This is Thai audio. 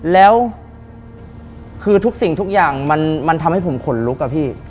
แล้วคือทุกสิ่งทุกอย่างมันทำให้ผมขนลุกอะพี่